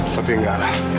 tapi enggak lah